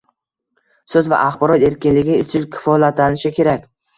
So'z va axborot erkinligi izchil kafolatlanishi kerak